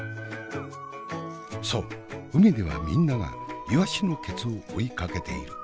そう海ではみんながいわしのケツを追いかけている。